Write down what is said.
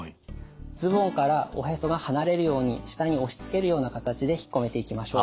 ズボンからおへそが離れるように下に押しつけるような形でひっこめていきましょう。